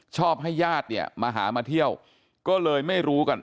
ชอบให้ญาติเนี่ยมาหามาเที่ยวก็เลยไม่รู้กัน